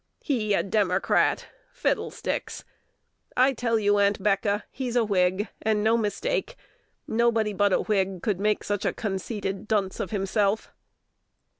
He a Democrat! Fiddlesticks! I tell you, Aunt'Becca, he's a Whig, and no mistake: nobody but a Whig could make such a conceity dunce of himself."